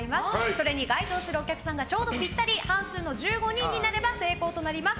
それに該当するお客さんがちょうどぴったり半数の１５人になれば成功となります！